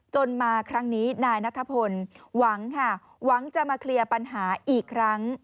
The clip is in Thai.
มาครั้งนี้นายนัทพลหวังค่ะหวังจะมาเคลียร์ปัญหาอีกครั้ง